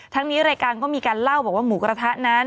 นี้รายการก็มีการเล่าบอกว่าหมูกระทะนั้น